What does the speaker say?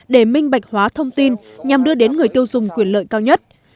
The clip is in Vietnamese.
để minh bạch hóa thông tin nhằm đưa đến người tiêu dùng quyền lợi cao nhất